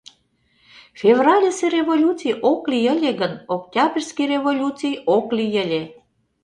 Февральысе революций ок лий ыле гын, Октябрьский революций ок лий ыле.